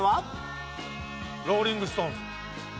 ローリング・ストーンズ。